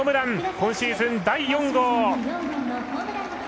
今シーズン第４号。